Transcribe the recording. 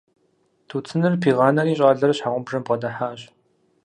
Тутыныр пигъанэри, щIалэр щхьэгъубжэм бгъэдыхьащ.